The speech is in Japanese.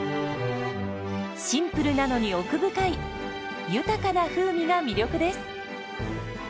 シンプルなのに奥深い豊かな風味が魅力です。